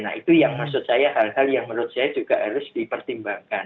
nah itu yang maksud saya hal hal yang menurut saya juga harus dipertimbangkan